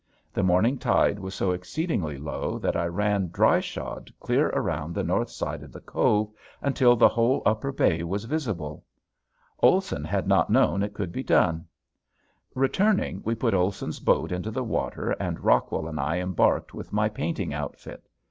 The morning tide was so exceedingly low that I ran dry shod clear around the north side of the cove until the whole upper bay was visible. Olson had not known it could be done. Returning we put Olson's boat into the water and Rockwell and I embarked with my painting outfit.